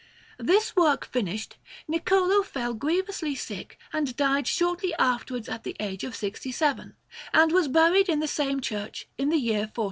This work finished, Niccolò fell grievously sick and died shortly afterwards at the age of sixty seven, and was buried in the same church, in the year 1417.